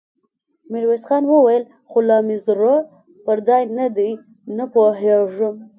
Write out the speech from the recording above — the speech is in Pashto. ميرويس خان وويل: خو لا مې زړه پر ځای نه دی، نه پوهېږم!